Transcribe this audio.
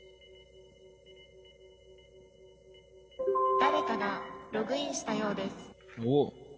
「誰かがログインしたようです」。